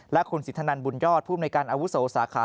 และคุณสิทธนันตร์บุญยอดผู้บนในการอาวุศวสาขา